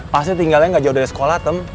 pasti tinggalnya gak jauh dari sekolah tuh